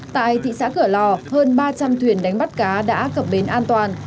tại thị xã cửa lò hơn ba trăm linh thuyền đánh bắt cá đã cập bến an toàn